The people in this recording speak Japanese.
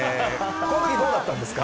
このとき、どうだったんですか。